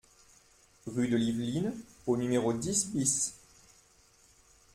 Rue de l'Yveline au numéro dix BIS